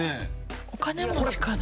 お金持ちかな？